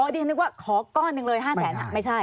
อ๋อเดี๋ยวนึกว่าขอก้อนหนึ่งเลย๕๐๐๐๐๐บาทไม่ใช่